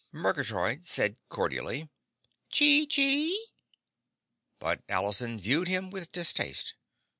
Murgatroyd said cordially, "Chee chee!" but Allison viewed him with distaste.